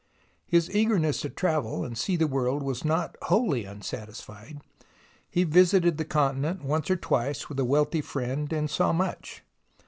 His eagerness to travel and see the world was not wholly unsatisfied. He visited the Continent once or twice with a wealthy friend and saw much.